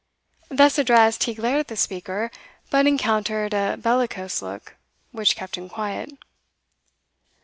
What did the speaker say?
Thus addressed he glared at the speaker, but encountered a bellicose look which kept him quiet.